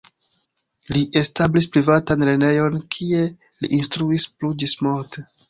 Li establis privatan lernejon, kie li instruis plu ĝismorte.